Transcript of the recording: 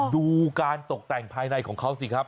ดูการตกแต่งภายในของเขาสิครับ